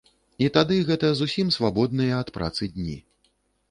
І тады гэта зусім свабодныя ад працы дні.